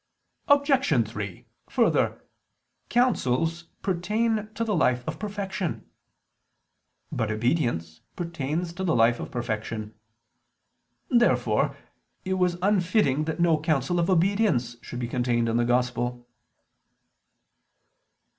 Obj. 3: Further, counsels pertain to the life of perfection. But obedience pertains to the life of perfection. Therefore it was unfitting that no counsel of obedience should be contained in the Gospel.